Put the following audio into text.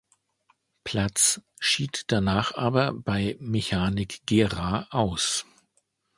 Platz, schied danach aber bei Mechanik Gera aus.